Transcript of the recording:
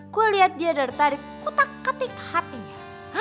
gue liat dia dari tadi kutak ketik hp nya